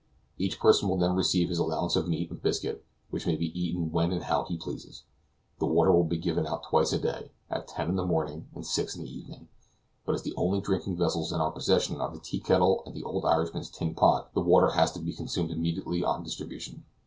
Each person will then receive his allowance of meat and biscuit, which may be eaten when and how he pleases. The water will be given out twice a day at ten in the morning and six in the evening; but as the only drinking vessels in our possession are the teakettle and the old Irishman's tin pot, the water has to be consumed immediately on distribution.